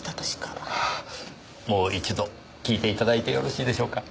もう一度聞いて頂いてよろしいでしょうか？